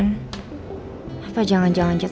nah pengen muat